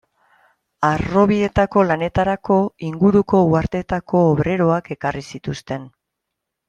Harrobietako lanetarako inguruko uharteetako obreroak ekarri zituzten.